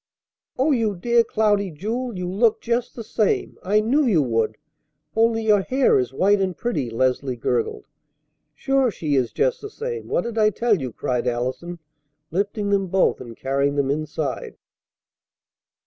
"O you dear Cloudy Jewel! You look just the same. I knew you would. Only your hair is white and pretty," Leslie gurgled. "Sure, she is just the same! What did I tell you?" cried Allison, lifting them both and carrying them inside.